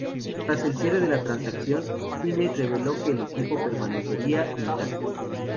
Tras el cierre de la transacción, Finney reveló que el equipo permanecería intacto.